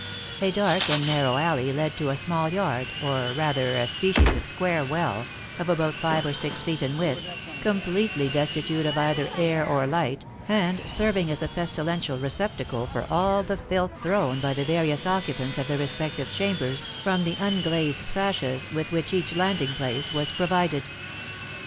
A dark and narrow alley led to a small yard, or, rather, a species of square well, of about five or six feet in width, completely destitute of either air or light, and serving as a pestilential receptacle for all the filth thrown by the various occupants of the respective chambers from the unglazed sashes with which each landing place was provided.